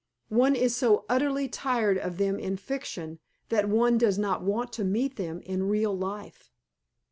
One is so utterly tired of them in fiction that one does not want to meet them in real life.